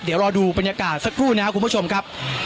เดี๋ยวรอดูบรรยากาศสักครู่นะครับคุณผู้ชมครับ